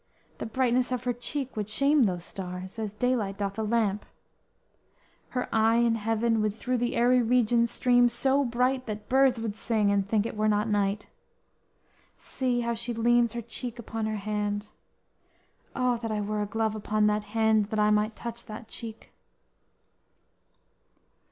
The brightness of her cheek would shame those stars. As daylight doth a lamp; her eye in heaven Would through the airy region stream so bright That birds would sing, and think it were not night. See how she leans her cheek upon her hand! O, that I were a glove upon that hand, That I might touch that cheek!"